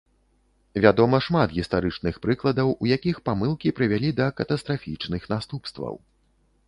Вядома шмат гістарычных прыкладаў, у якіх памылкі прывялі да катастрафічных наступстваў.